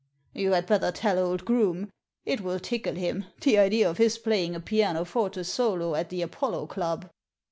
"You had better tell old Groome. It will tickle him, the idea of his playing a pianoforte solo at the Apollo Club."